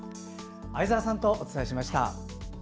相沢さんとお伝えしました。